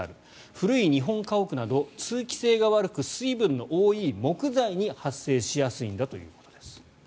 古い日本家屋など通気性が悪く水分の多い木材に発生しやすいんだということです。